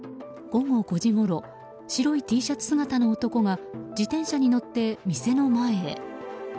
午後５時ごろ白いＴシャツ姿の男が自転車に乗って店の前へ。